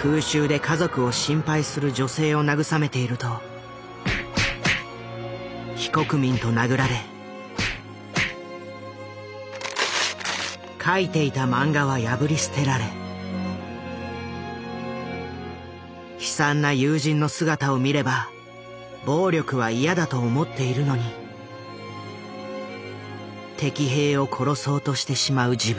空襲で家族を心配する女性をなぐさめていると非国民と殴られ描いていた漫画は破り捨てられ悲惨な友人の姿を見れば暴力は嫌だと思っているのに敵兵を殺そうとしてしまう自分。